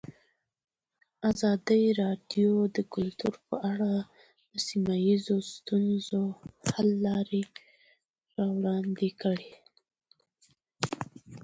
ازادي راډیو د کلتور په اړه د سیمه ییزو ستونزو حل لارې راوړاندې کړې.